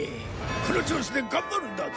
この調子で頑張るんだぞ。